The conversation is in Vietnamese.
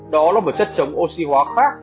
đó là một chất chống oxy hóa khác